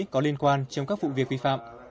có liên quan trong các vụ việc vi phạm